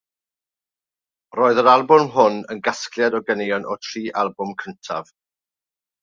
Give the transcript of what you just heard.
Roedd yr albwm hwn yn gasgliad o ganeuon o'r tri albwm cyntaf.